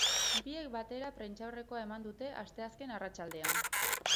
Biek batera prentsaurrekoa eman dute asteazken arratsaldean.